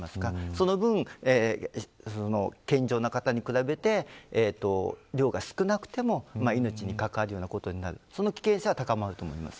その分、健常な方に比べて量が少なくても命に関わるようなことになる危険性は高まります。